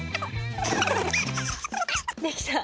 できた。